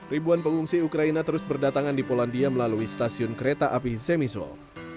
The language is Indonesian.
ribuan pengungsi ukraina terus berdatangan di polandia melalui stasiun kereta api semisol